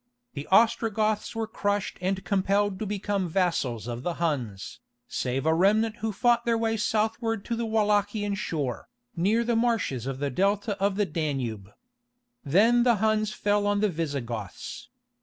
The Ostrogoths were crushed and compelled to become vassals of the Huns, save a remnant who fought their way southward to the Wallachian shore, near the marshes of the Delta of the Danube. Then the Huns fell on the Visigoths.